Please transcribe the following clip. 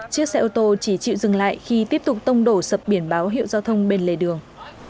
chiếc xe ô tô chỉ chịu dừng lại khi tiếp tục tông đổ sập biển báo hiệu giao thông bên lề đường